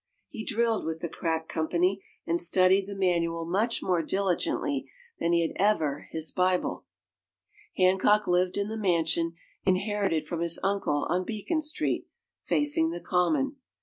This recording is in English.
He drilled with the crack company and studied the manual much more diligently than he ever had his Bible. Hancock lived in the mansion, inherited from his uncle, on Beacon Street, facing the Common.